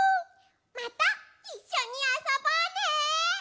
またいっしょにあそぼうね！